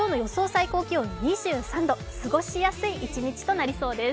最高気温、２３度、過ごしやすい一日となりそうです。